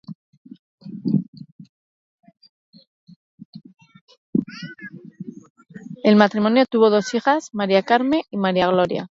El matrimonio tuvo dos hijas: Maria Carme y Maria Glòria.